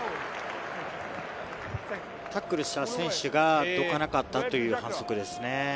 タックルした選手がどかなかったという反則ですね。